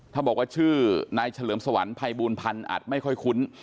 ถ้าบอกว่าชื่อนายเฉลิมสวรรค์ภัยบูลพันธ์อาจไม่ค่อยคุ้น